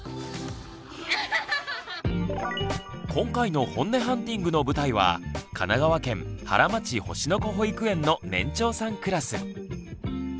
今回のホンネハンティングの舞台は神奈川県原町星の子保育園の年長さんクラス。